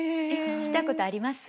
したことあります？